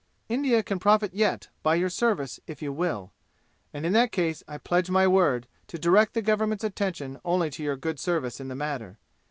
"India can profit yet by your service if you will. And in that case I pledge my word to direct the government's attention only to your good service in the matter.